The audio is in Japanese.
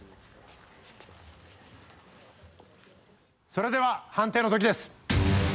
それでは判定の刻です！